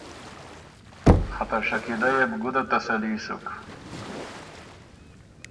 خه ته شکیلۀ يې بو ګُده تسلي سُک۔